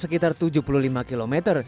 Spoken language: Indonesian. sekitar tujuh puluh lima km